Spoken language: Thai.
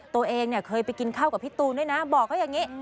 ตัวเองเนี่ยเคยไปกินข้าวกับพี่ตูนด้วยนะบอกเขาอย่างนี้